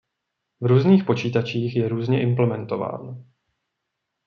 V různých počítačích je různě implementován.